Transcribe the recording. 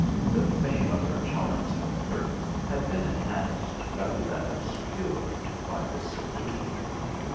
The fame of her charms, however, had been enhanced, rather than obscured by this seclusion.